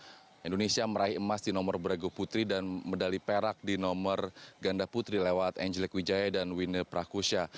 pada saat itu indonesia meraih emas di nomor bragoputri dan medali perak di nomor ganda putri lewat angelic wijaya dan winner prakusya